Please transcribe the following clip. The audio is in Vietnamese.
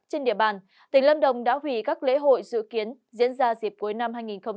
trên địa bàn tỉnh lâm đồng đã hủy các lễ hội dự kiến diễn ra dịp cuối năm hai nghìn hai mươi